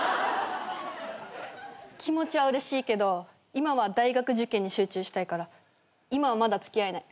気持ちはうれしいけど今は大学受験に集中したいから今はまだ付き合えない。